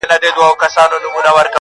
o باک مي نسته بیا که زه هم غرغړه سم ,